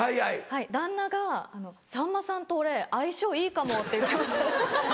旦那が「さんまさんと俺相性いいかも」って言ってました。